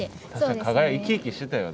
生き生きしてたよ